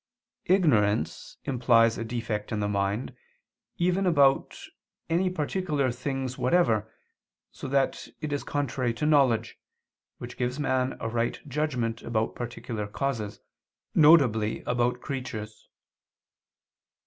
Ignorance implies a defect in the mind, even about any particular things whatever, so that it is contrary to knowledge, which gives man a right judgment about particular causes, viz. about creatures.